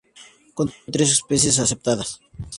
Contiene tres especies aceptadas.